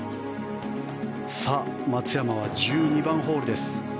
さあ、松山は１２番ホールです。